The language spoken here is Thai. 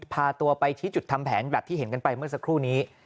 พาตัวไปชี้จุดทำแผนแบบที่เห็นกันไปเมื่อสักครู่นี้